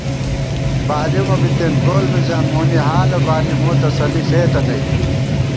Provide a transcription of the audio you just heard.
بالېمہ بِتېن کول مِزان مونی حالہ بالی مو تسلی ݪېتہ نئ